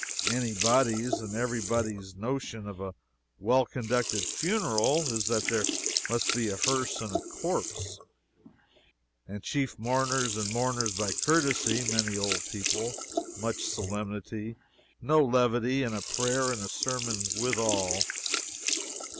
Any body's and every body's notion of a well conducted funeral is that there must be a hearse and a corpse, and chief mourners and mourners by courtesy, many old people, much solemnity, no levity, and a prayer and a sermon withal.